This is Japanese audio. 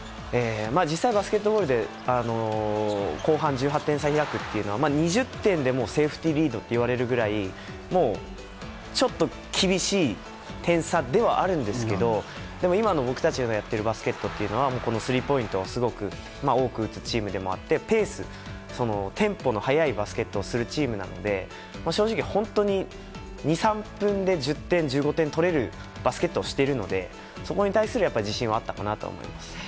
実際、バスケットボールで後半１８点差開くというのは２０点でセーフティーリードっていわれるぐらいちょっと厳しい点差ではあるんですけどでも、今の僕たちがやっているバスケットというのはスリーポイントをすごく多く打つチームでもあってペーステンポの速いバスケットをするチームなので正直、本当に２３分で１０点、１５点取れるバスケットをしているのでそこに対する自信はあったかなと思います。